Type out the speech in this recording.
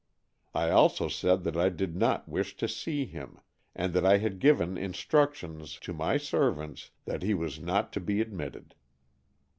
I also said that I did not wash to see him, and that I had given instructions to my 220 AN EXCHANGE OF SOULS servants that he was not to be admitted.